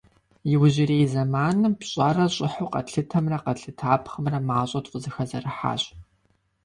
Иужьрей зэманым пщӏэрэ щӏыхьу къэтлъытэмрэ къэлъытапхъэмрэ мащӏэу тфӏызэхэзэрыхьащ.